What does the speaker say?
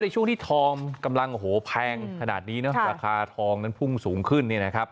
ในช่วงที่ทองกำลังแพงขนาดนี้ราคาทองนั้นพุ่งสูงขึ้น